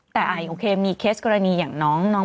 แต่มีเคสกรณีอย่างนน้อง